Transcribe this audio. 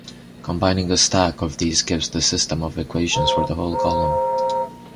Combining a stack of these gives the system of equations for the whole column.